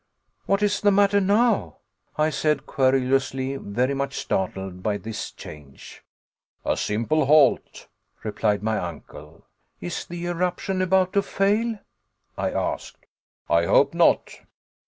"What is the matter now?" I said, querulously, very much startled by this change. "A simple halt," replied my uncle. "Is the eruption about to fail?" I asked. "I hope not."